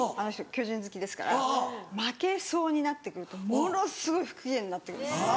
巨人好きですから負けそうになってくるとものすごい不機嫌になってくる。